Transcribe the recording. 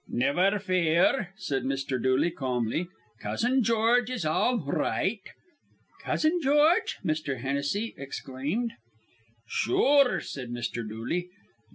"Niver fear," said Mr. Dooley, calmly. "Cousin George is all r right." "Cousin George?" Mr. Hennessy exclaimed. "Sure," said Mr. Dooley.